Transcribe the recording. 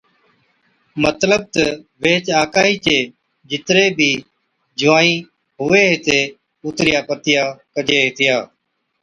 مطلب تہ ويھِچ آڪھِي چي جِتري بِي جُونوائِي (نِياڻي سِياڻي) ھُوَي ھِتي اُترِيا پتِيا ڪجي ھِتيا